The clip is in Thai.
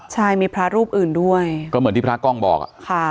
ใช่มีพระรูปอื่นด้วยก็เหมือนที่พระกล้องบอกอ่ะค่ะ